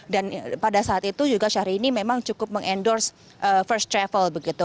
dan pada saat itu juga syahrini memang cukup meng endorse first travel begitu